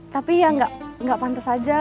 tapi ya gak pantes aja